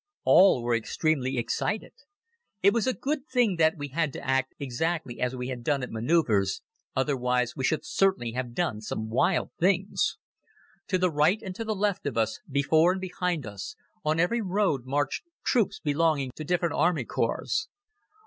All were extremely excited. It was a good thing that we had to act exactly as we had done at manoeuvres, otherwise we should certainly have done some wild things. To the right and to the left of us, before and behind us, on every road, marched troops belonging to different army corps.